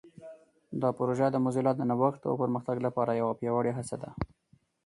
دا پروژه د موزیلا د نوښت او پرمختګ لپاره یوه پیاوړې هڅه ده.